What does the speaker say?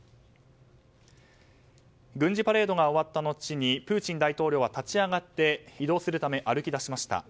軍事パレードが終わったのちにプーチン大統領は立ち上がって、移動するため歩き出しました。